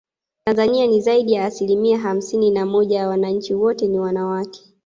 Tanzania ni zaidi ya asilimia hamsini na moja ya wananchi wote ni wanawake